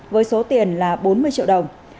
với số tiền là bốn mươi triệu đồng